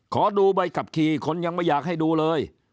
ขอดูใบขับขี่คนยังไม่อยากให้ดูเลย